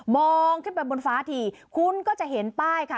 ขึ้นไปบนฟ้าทีคุณก็จะเห็นป้ายค่ะ